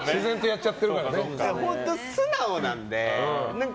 本当、素直なので。